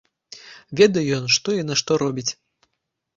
Ведае ён, што і нашто робіць.